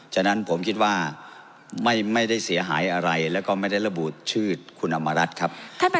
ฉะนั้นผมคิดว่าไม่ได้เสียหายอะไรแล้วก็ไม่ได้ระบุชื่อคุณอำมารัฐครับ